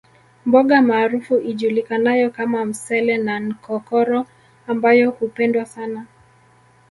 Mboga maarufu ijulikanayo kama msele na nkokoro ambayo hupendwa sana